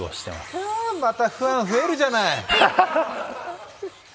か、またファン増えるじゃない！